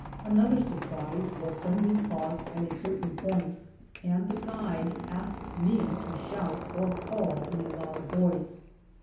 Another surprise was when we paused at a certain point, and the guide asked me to shout or call in a loud voice.